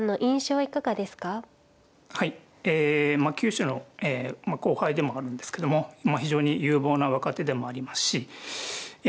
はいえまあ九州の後輩でもあるんですけども非常に有望な若手でもありますしえ